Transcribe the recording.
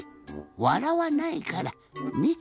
わらわないからねっ。